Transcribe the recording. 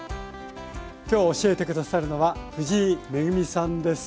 今日教えて下さるのは藤井恵さんです。